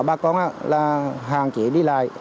bà con là hàng chế đi lại